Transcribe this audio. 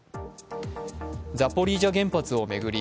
ザポリージャ原発を巡り